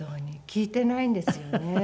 聞いてないんですよね